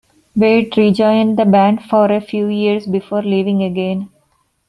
Wade rejoined the band for a few years before leaving again.